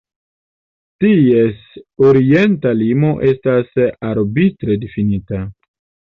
Ties orienta limo estas arbitre difinita.